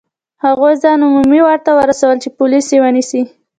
هغوی ځان عمومي واټ ته ورسول چې پولیس یې ونیسي.